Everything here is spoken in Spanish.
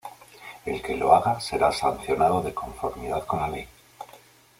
El que lo haga será sancionado de conformidad con la ley".